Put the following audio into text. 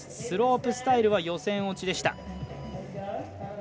スロープスタイルは予選落ちでした。